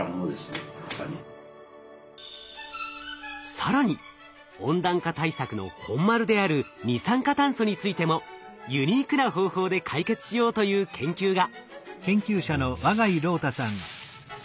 更に温暖化対策の本丸である二酸化炭素についてもユニークな方法で解決しようという研究が。